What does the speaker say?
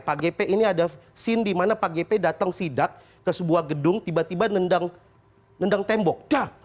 pak gp ini ada scene di mana pak gp datang sidak ke sebuah gedung tiba tiba nendang tembok